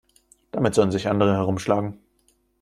Damit sollen sich andere herumschlagen.